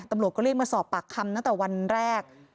ตำรวจก็เรียกมาสอบปากคำตั้งแต่วันแรก